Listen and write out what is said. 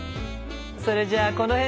それじゃあこの辺で。